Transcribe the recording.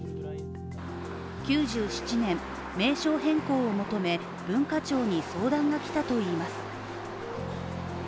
９７年、名称変更を求め文化庁に相談が来たといいます。